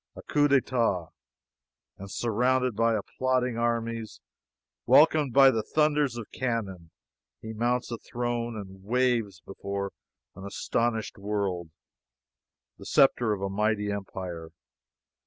a coup d'etat, and surrounded by applauding armies, welcomed by the thunders of cannon, he mounts a throne and waves before an astounded world the sceptre of a mighty empire!